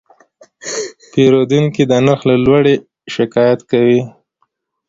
پیرودونکی د نرخ له لوړې شکایت وکړ.